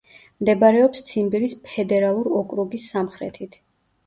მდებარეობს ციმბირის ფედერალურ ოკრუგის სამხრეთით.